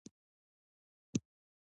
ـ سر چې بې سر سوابه شي کدو ګرځي.